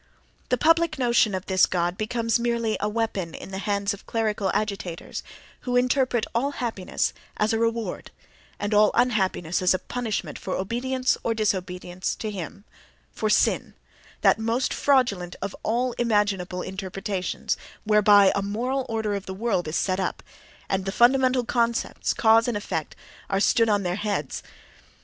The public notion of this god now becomes merely a weapon in the hands of clerical agitators, who interpret all happiness as a reward and all unhappiness as a punishment for obedience or disobedience to him, for "sin": that most fraudulent of all imaginable interpretations, whereby a "moral order of the world" is set up, and the fundamental concepts, "cause" and "effect," are stood on their heads.